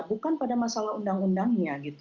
bukan pada masalah undang undangnya gitu